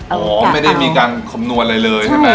อ้าวไม่ได้มีการขบมนวณอะไรเลยใช่มั้ย